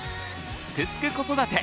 「すくすく子育て」